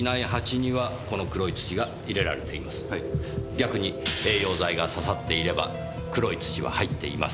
逆に栄養剤が挿さっていれば黒い土は入っていません。